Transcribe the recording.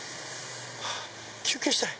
休憩したい。